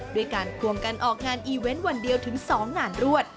ด้วยการควงกันออกงานอีเวนต์วันเดียวถึง๒งานรวด